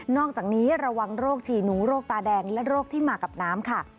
อกจากนี้ระวังโรคฉี่หนูโรคตาแดงและโรคที่มากับน้ำค่ะ